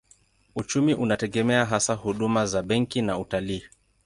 Uchumi unategemea hasa huduma za benki na utalii.